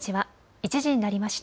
１時になりました。